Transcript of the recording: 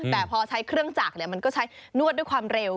แต่พอใช้เครื่องจักรมันก็ใช้นวดด้วยความเร็ว